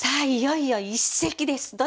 いよいよ一席です。